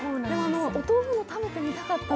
お豆腐も食べてみたかった。